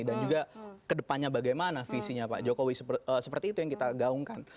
dan juga kedepannya bagaimana visinya pak jokowi seperti itu yang kita gaungkan